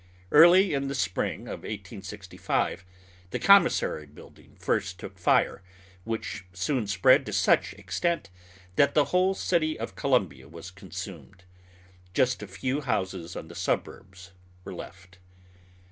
Early in the spring of 1865 the commissary building first took fire, which soon spread to such extent that the whole city of Columbia was consumed; just a few houses on the suburbs were left.